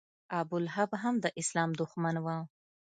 ابولهب هم د اسلام دښمن و.